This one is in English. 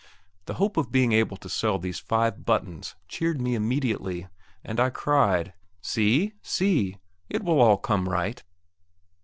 The hope of being able to sell these five buttons cheered me immediately, and I cried, "See, see; it will all come right!"